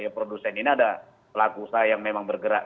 produsen ini ada pelaku usaha yang memang bergerak